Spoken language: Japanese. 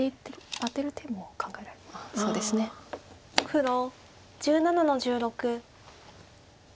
黒１７の十六。